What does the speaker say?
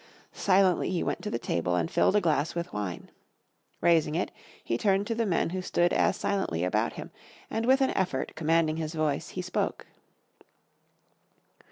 Silently he went to the table and filled a glass with wine. Raising it, he turned to the men who stood as silently about him, and with an effort, commanding his voice he spoke.